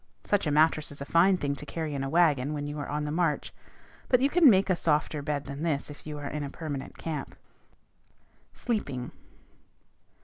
Such a mattress is a fine thing to carry in a wagon when you are on the march; but you can make a softer bed than this if you are in a permanent camp. SLEEPING.